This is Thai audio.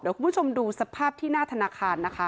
คุณผู้ชมดูสภาพที่หน้าธนาคารนะคะ